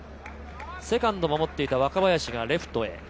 セカンドを守っていた若林がレフトへ。